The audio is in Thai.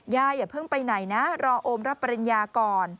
อย่าเพิ่งไปไหนนะรอโอมรับปริญญาก่อน